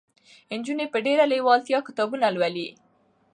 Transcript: نجونې په ډېره لېوالتیا کتابونه لولي.